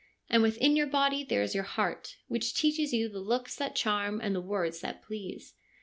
And within your body there is your heart, which teaches you the looks that charm and the words that please.